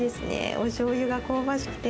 おしょうゆが香ばしくて。